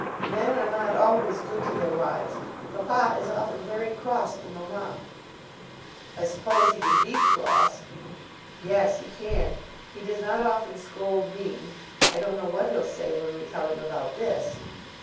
"Men are not always good to their wives. Papa is often very cross to mamma." "I suppose he can be cross?" "Yes, he can. He does not often scold me. I don't know what he'll say when we tell him about this."